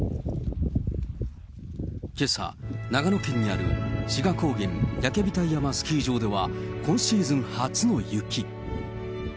けさ、長野県にある志賀高原焼額山スキー場では、今シーズン初の雪。